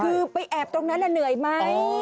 คือไปแอบตรงนั้นเหนื่อยไหม